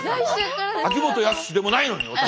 秋元康でもないのに私。